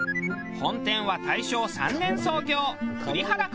本店は大正３年創業。